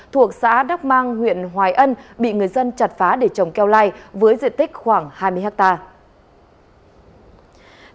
thuộc xã đắc mang huyện hoài ân bị người dân chặt phá để trồng keo lai với diện tích khoảng hai mươi hectare